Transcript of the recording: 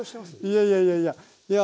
いやいやいやいやいや